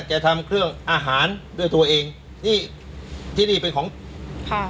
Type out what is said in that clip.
จะทำเครื่องอาหารด้วยตัวเองนี่ที่นี่เป็นของค่ะ